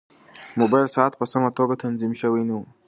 د موبایل ساعت په سمه توګه تنظیم شوی نه و.